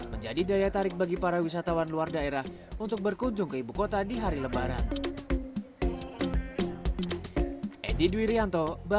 menjadi daya tarik bagi para wisatawan luar daerah untuk berkunjung ke ibu kota di hari lebaran